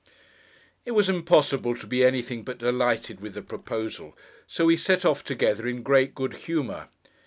It was impossible to be anything but delighted with the proposal, so we set off together in great good humour.